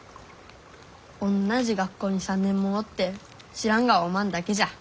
おんなじ学校に３年もおって知らんがはおまんだけじゃ。